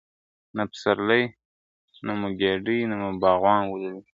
نه پسرلی نه مو ګېډۍ نه مو باغوان ولیدی !.